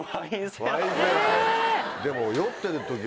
でも。